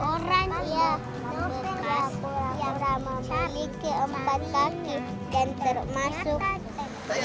orang orang yang memiliki empat kaki dan termasuk